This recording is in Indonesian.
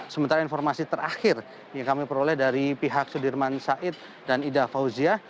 sementara informasi terakhir yang kami peroleh dari pihak sudirman said dan ida fauzia